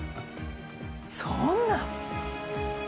そんな。